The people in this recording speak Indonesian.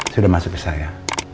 sudah masuk ke saya